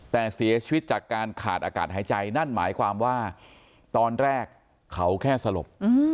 แต่เสียชีวิตจากการขาดอากาศหายใจนั่นหมายความว่าตอนแรกเขาแค่สลบ